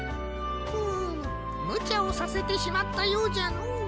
うむむちゃをさせてしまったようじゃのう。